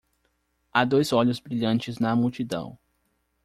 Há dois olhos brilhantes na multidão